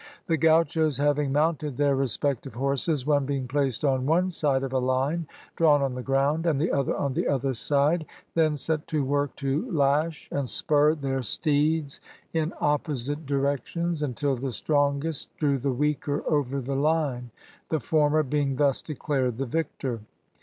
The gauchos having mounted their respective horses, one being placed on one side of a line, drawn on the ground, and the other on the other side, then set to work to lash and spur their steeds in opposite directions until the strongest drew the weaker over the line, the former being thus declared the victor.